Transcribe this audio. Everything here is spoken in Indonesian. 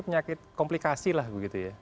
penyakit komplikasi lah begitu ya